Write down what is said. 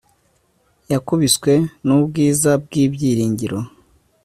Yakubiswe nubwiza bwibyiringiro